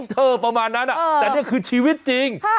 เธอประมาณนั้นแต่นี่คือชีวิตจริง